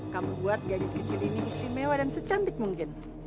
kamu buat gadis kecil ini istimewa dan secantik mungkin